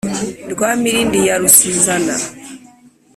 rwa mirindi ya rusizana